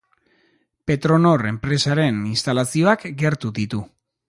Petronor enpresaren instalazioak gertu ditu.